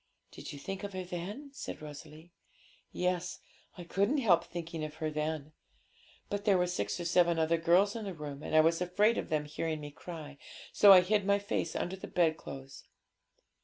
'Did you think of her then?' said Rosalie. 'Yes; I couldn't help thinking of her then; but there were six or seven other girls in the room, and I was afraid of them hearing me cry, so I hid my face under the bedclothes.